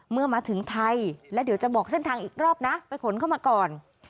เมื่อมาถึงไทยแล้วเดี๋ยวจะบอกเส้นทางอีกรอบนะไปขนเข้ามาก่อน